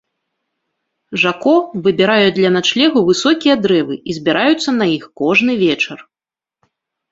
Жако выбіраюць для начлегу высокія дрэвы і збіраюцца на іх кожны вечар.